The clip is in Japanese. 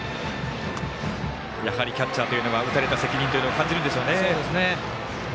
やはりキャッチャーというのは打たれた責任というのを感じるんでしょうね。